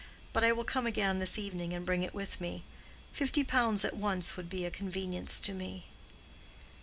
But I will come again this evening and bring it with me. Fifty pounds at once would be a convenience to me."